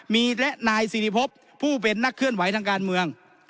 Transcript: มีและนายสิริพบผู้เป็นนักเคลื่อนไหวทางการเมือง